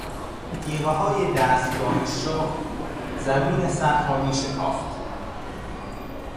تیغههای دستگاه شخم زمین سخت را میشکافت.